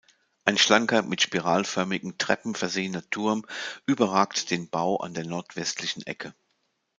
Ein schlanker, mit spiralförmigen Treppen versehener Turm überragt den Bau an der nordwestlichen Ecke.